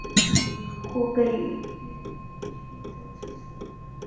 吕护被授予冀州刺史。